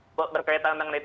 nah berkaitan dengan itu